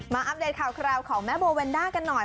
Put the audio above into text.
มาอัพเดตค่ะเวลของแม่โบเวนด้ากันหน่อย